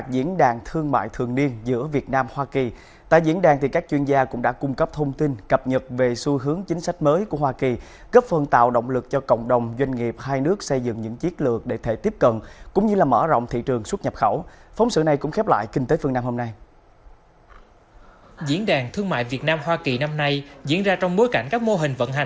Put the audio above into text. diễn đàn thương mại việt nam hoa kỳ năm nay diễn ra trong bối cảnh các mô hình vận hành